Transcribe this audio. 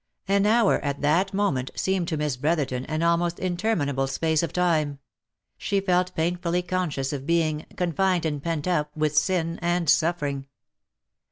An hour at that moment seemed to Miss Brotherton an almost in terminable space of time; she felt painfully conscious of being, " confined and pent up" with sin and suffering.